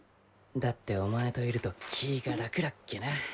だってお前といると気ぃが楽らっけな。